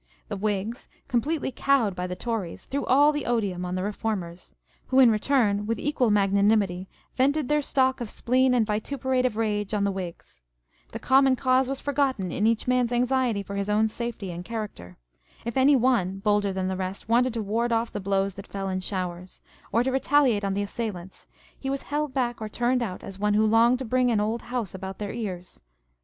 The Whigs, completely cowed by the Tories, threw all the odium, on the Reformers ; who in return with equal magnanimity vented their stock of spleen and vituperative rage on the Whigs. The common cause was forgot in each man's anxiety for his own safety and character. If any one, bolder than the rest, wanted to ward off the blows that fell in showers, or to retaliate on the assailants, he was held back or turned out as one who longed to bring an old house about their ears.